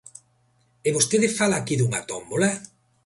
¿E vostede fala aquí dunha tómbola?